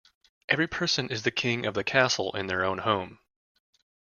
Every person is the king of the castle in their own home.